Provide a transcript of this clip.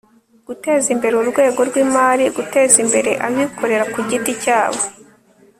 guteza imbere urwego rw'imari, guteza imbere abikorera ku giti cyabo